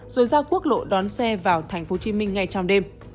rồi ra quốc lộ đón xe vào tp hcm ngay trong đêm